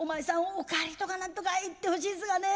お帰りとか何とか言ってほしいんですがね